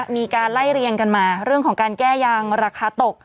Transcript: มีการไล่เรียงกันมาเรื่องของการแก้ยางราคาตก